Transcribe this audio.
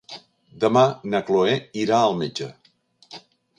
Demà na Cloè irà al metge.